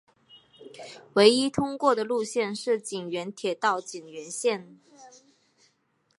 唯一通过的路线是井原铁道井原线。